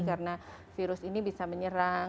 karena virus ini bisa menyerang